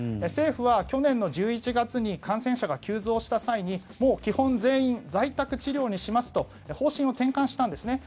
政府は去年の１１月に感染者が急増した際に基本、全員在宅治療にしますと方針を転換したんです。